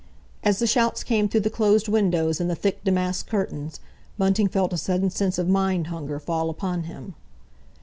As the shouts came through the closed windows and the thick damask curtains, Bunting felt a sudden sense of mind hunger fall upon him.